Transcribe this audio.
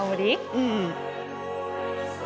うん。